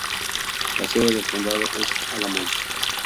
La sede del condado es Altamont.